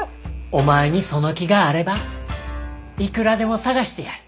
お前にその気があればいくらでも探してやる。